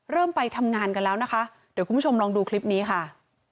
ไปทำงานกันแล้วนะคะเดี๋ยวคุณผู้ชมลองดูคลิปนี้ค่ะ